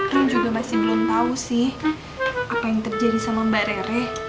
aku juga masih belum tahu sih apa yang terjadi sama mbak rere